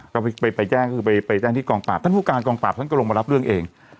ก็ไปแจ้งที่กองปราบท่านผู้การกองปราบก็ลงมารับเรื่องเอง